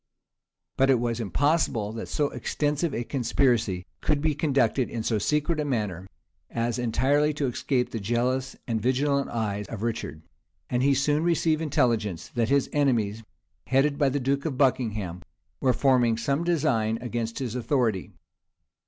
But it was impossible that so extensive a conspiracy could be conducted in so secret a manner, as entirely to escape the jealous and vigilant eye of Richard; and he soon received intelligence, that his enemies, headed by the duke of Buckingham, were forming some design against his authority.